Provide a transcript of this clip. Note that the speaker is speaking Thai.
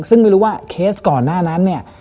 ซึ่งไม่รู้ว่าเคสก่อนหน้านั้นเนี่ย